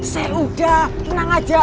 sudah tenang aja